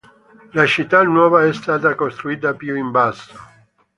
La città nuova è stata costruita più in basso.